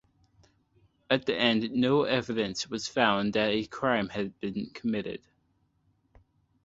At the end no evidence was found that a crime had been committed.